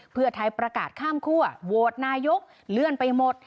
เพื่อไทยประกาศข้ามคั่วโหวตนายกเลื่อนไปหมด